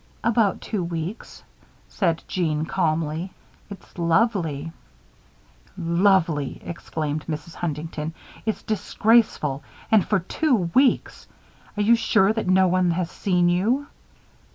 "About two weeks," said Jeanne, calmly. "It's lovely." "Lovely!" exclaimed Mrs. Huntington. "It's disgraceful! And for two weeks! Are you sure that no one has seen you?"